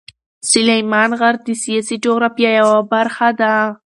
سلیمان غر د سیاسي جغرافیه یوه برخه ده.